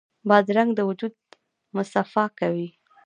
بادرنګ د وجود مصفا کوي.